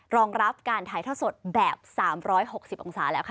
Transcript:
รองรับการถ่ายทอดสดแบบ๓๖๐องศาแล้วค่ะ